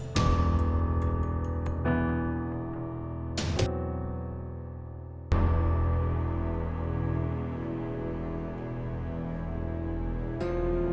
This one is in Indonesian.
malin jangan lupa